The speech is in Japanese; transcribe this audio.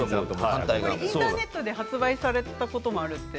インターネットで発売されたこともあるって。